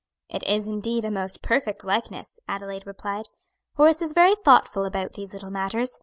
"It is indeed a most perfect likeness," Adelaide replied. "Horace is very thoughtful about these little matters.